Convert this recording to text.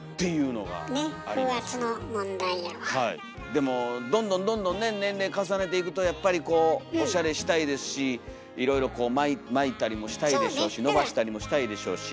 でもどんどんどんどんね年齢重ねていくとやっぱりこうおしゃれしたいですしいろいろこう巻いたりもしたいでしょうし伸ばしたりもしたいでしょうし。